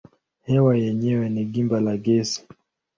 Hewa yenyewe ni gimba la gesi.